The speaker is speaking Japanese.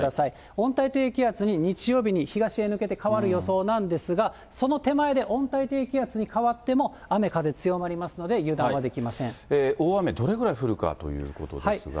温帯低気圧に日曜日に東へ抜けて変わる予想なんですが、その手前で温帯低気圧に変わっても、雨風強まりますので、油断はできませ大雨、どれぐらい降るかということですが。